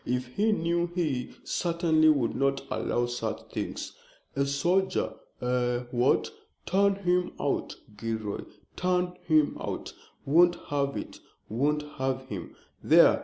If he knew he certainly would not allow such things. A soldier eh what? Turn him out, Gilroy, turn him out! Won't have it, won't have him! There!